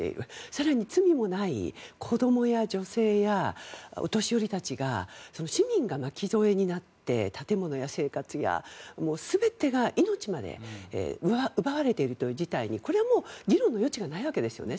更に罪もない子どもや女性やお年寄りたちが市民が巻き添えになって建物や生活や全てが、命まで奪われているという事態にこれはもう議論の余地がないわけですよね。